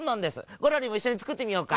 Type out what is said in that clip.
ゴロリもいっしょにつくってみようか。